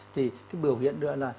thì cái biểu hiện nữa là